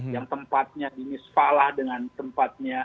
yang tempatnya ini sepalah dengan tempatnya